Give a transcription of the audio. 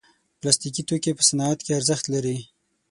پلاستيکي توکي په صنعت کې ارزښت لري.